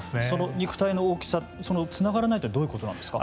肉体の大きさそのつながらないというのはどういうことなんですか。